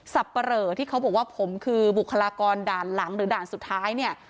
ปะเหลอที่เขาบอกว่าผมคือบุคลากรด่านหลังหรือด่านสุดท้ายเนี่ย